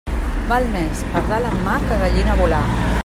Val més pardal en mà que gallina volar.